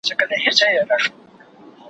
شيطان د بشريت دښمني پر ځان لازمه کړې ده.